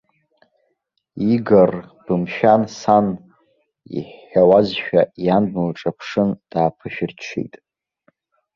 Игор, бымшәан сан, иҳәауазшәа иан днылҿаԥшын дааԥышәырччеит.